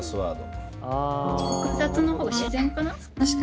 複雑の方が自然かな。